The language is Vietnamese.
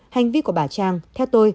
hành vi của bà trang theo tôi